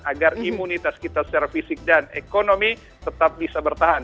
agar imunitas kita secara fisik dan ekonomi tetap bisa bertahan